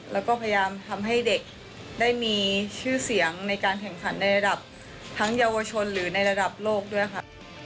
แล้วก็พยายามทำให้เด็กได้มีชื่อเสียงในการแข่งขันในระดับทั้งเยาวชนหรือในระดับโลกด้วยค่ะ